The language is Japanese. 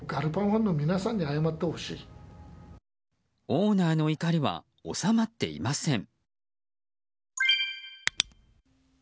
オーナーの怒りは収まっていません。